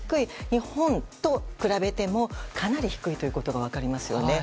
日本と比べてもかなり低いことが分かりますよね。